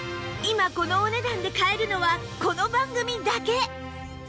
今このお値段で買えるのはこの番組だけ！